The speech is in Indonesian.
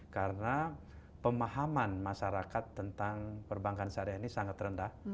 karena pemahaman masyarakat tentang perbankan syariah ini sangat rendah